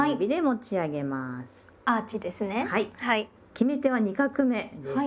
決め手は２画目です。